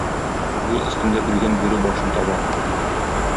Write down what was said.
Юл өстендә үлгән бүре башын таба.